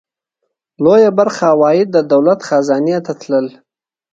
لویه برخه عواید د دولت خزانې ته تلل.